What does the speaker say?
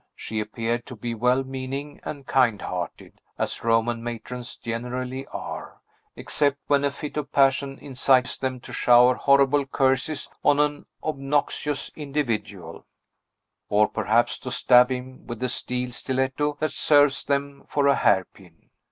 She appeared to be well meaning and kind hearted, as Roman matrons generally are; except when a fit of passion incites them to shower horrible curses on an obnoxious individual, or perhaps to stab him with the steel stiletto that serves them for a hairpin.